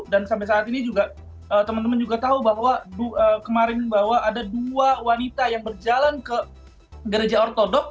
dan sampai saat ini juga teman teman juga tahu bahwa kemarin bahwa ada dua wanita yang berjalan ke gereja ortodok